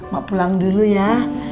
mak pulang dulu ya